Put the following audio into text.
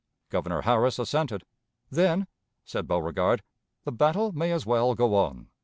Governor Harris assented. 'Then,' said Beauregard, 'The battle may as well go on.'